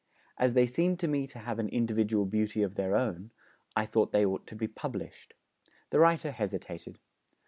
As they seemed to me to have an individual beauty of their own, I thought they ought to be published. The writer hesitated.